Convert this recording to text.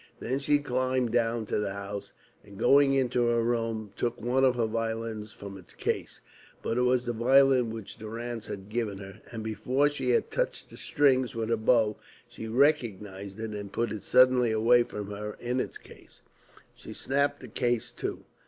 Then she climbed down to the house, and going into her room took one of her violins from its case. But it was the violin which Durrance had given to her, and before she had touched the strings with her bow she recognised it and put it suddenly away from her in its case. She snapped the case to.